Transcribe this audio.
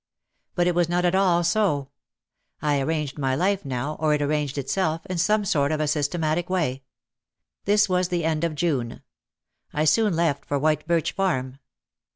But it was not at all so. I arranged my life now, or it arranged itself, in some sort of a systematic way. This was the end of June; I soon left for White Birch Farm.